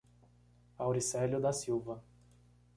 Auricelio da Silva